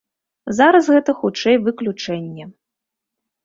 Зараз гэта, хутчэй, выключэнне.